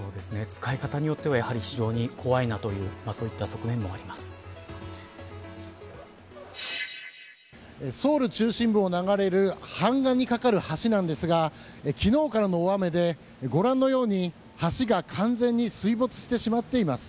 使い方によっては非常に怖いなというソウル中心部を流れる漢江にかかる橋ですが昨日からの大雨でご覧のように橋が完全に水没してしまっています。